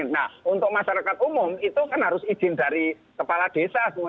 nah untuk masyarakat umum itu kan harus izin dari kepala desa